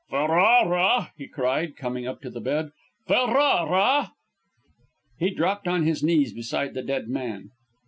"Ferrara!" he cried, coming up to the bed. "Ferrara!" He dropped on his knees beside the dead man.